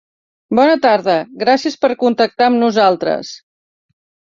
Bona tarda, gràcies per contactar amb nosaltres.